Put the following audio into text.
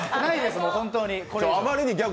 もう、本当に。